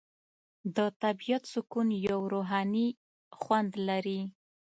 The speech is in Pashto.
د طبیعت سکون یو روحاني خوند لري.